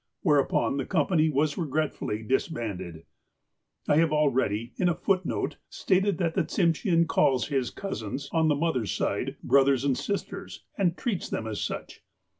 Whereupon, the company was regret fully disbanded. I have already, in a footnote, stated that the Tsimshean calls his cousins, on the mother's side, brothers and sis ters, and treats them as such.